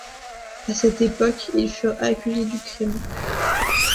À cette époque, ils furent accusés du crime.